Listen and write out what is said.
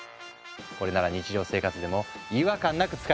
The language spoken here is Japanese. これなら日常生活でも違和感なく使えるよね。